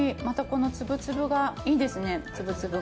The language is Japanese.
またこの粒々がいいですね。